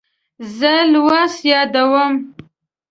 زه لوست یادوم.